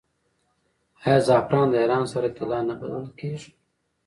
آیا زعفران د ایران سره طلا نه بلل کیږي؟